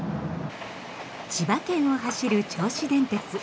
千葉県を走る銚子電鉄。